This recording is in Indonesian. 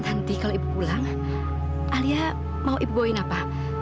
nanti kalau ibu pulang alia mau ibu bawa apa